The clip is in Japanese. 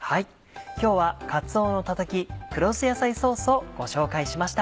今日は「かつおのたたき黒酢野菜ソース」をご紹介しました。